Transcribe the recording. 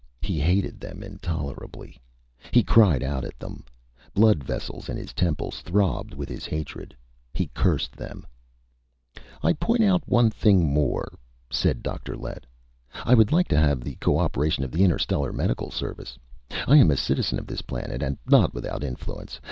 He hated them intolerably. He cried out at them. Blood vessels in his temples throbbed with his hatred. He cursed them. "I point out one thing more," said Dr. Lett. "I would like to have the co operation of the Interstellar Medical Service. I am a citizen of this planet and not without influence.